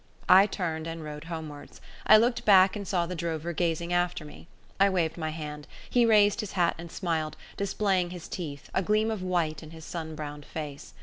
I turned and rode homewards. I looked back and saw the drover gazing after me. I waved my hand; he raised his hat and smiled, displaying his teeth, a gleam of white in his sun browned face.